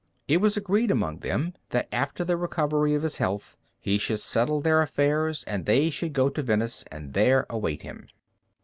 It was agreed among them, that after the recovery of his health he should settle their affairs and they should go to Venice, and there await him.